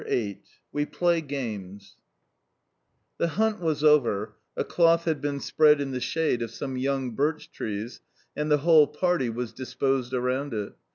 VIII WE PLAY GAMES THE hunt was over, a cloth had been spread in the shade of some young birch trees, and the whole party was disposed around it.